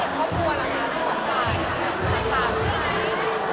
มันเป็นเรื่องน่ารักที่เวลาเจอกันเราต้องแซวอะไรอย่างเงี้ย